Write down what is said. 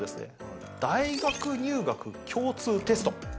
大学入学共通テスト